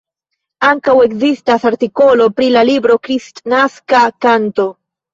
Ankaŭ ekzistas artikolo pri la libro Kristnaska Kanto".